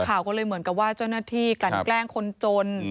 ข่าวก็เลยเหมือนกับว่าเจ้าหน้าที่กลั่นแกล้งคนจน